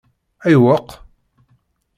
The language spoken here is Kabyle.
Ayweq?